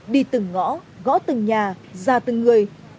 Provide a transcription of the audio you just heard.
đi từng ngõ gõ từng nhà ra từng người